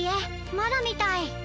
まだみたい。